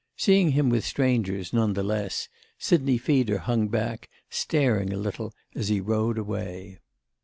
Seeing him with strangers, none the less, Sidney Feeder hung back, staring a little as he rode away.